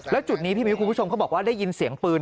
แล้วจุดนี้พี่มิ้วคุณผู้ชมเขาบอกว่าได้ยินเสียงปืน